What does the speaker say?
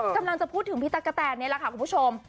กำลังจะพูดถึงพี่ตั๊กกะแตนนี่แหละค่ะคุณผู้ชม